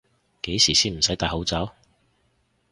幾時先唔使戴口罩？